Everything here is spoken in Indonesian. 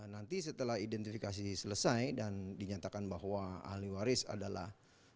nanti setelah identifikasi selesai dan dinyatakan bahwa ahli waris adalah